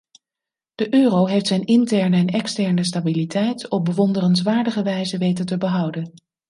De euro heeft zijn interne en externe stabiliteit op bewonderenswaardige wijze weten te behouden.